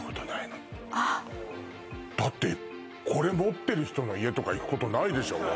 だって、これ持ってる人の家、行くことないでしょ。